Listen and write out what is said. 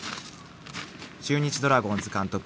［中日ドラゴンズ監督